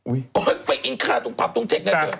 อุ้ยไปอินคาตกความตรงเช็คไงเธอ